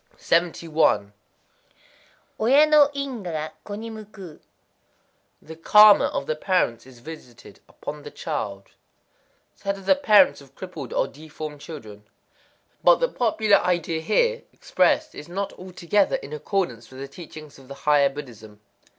71.—Oya no ingwa ga ko ni mukuü. The karma of the parents is visited upon the child. Said of the parents of crippled or deformed children. But the popular idea here expressed is not altogether in accord with the teachings of the higher Buddhism.